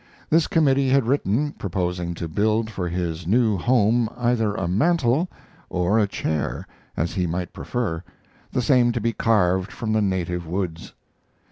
This committee had written, proposing to build for his new home either a mantel or a chair, as he might prefer, the same to be carved from the native woods.